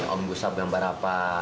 om gusab gambar apa